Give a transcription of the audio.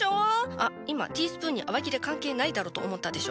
あっ今ティースプーンに洗剤いらねえだろと思ったでしょ。